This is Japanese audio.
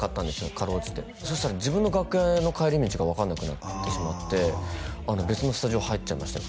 かろうじてそしたら自分の楽屋への帰り道が分かんなくなってしまって別のスタジオ入っちゃいましたよ